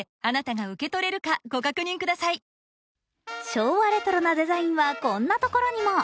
昭和レトロなデザインはこんなところにも。